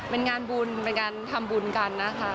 เป็นงานบุญเป็นการทำบุญกันนะคะ